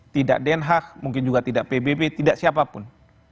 tidak denhak mungkin juga tidak pbb tidak siapapun